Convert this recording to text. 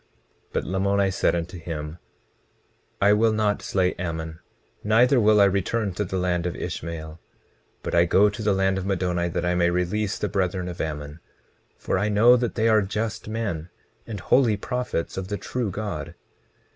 20:15 But Lamoni said unto him: I will not slay Ammon, neither will I return to the land of Ishmael, but I go to the land of Middoni that I may release the brethren of Ammon, for I know that they are just men and holy prophets of the true God.